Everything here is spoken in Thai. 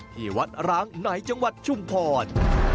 ที่วัดร้างในจังหวัดชุมพร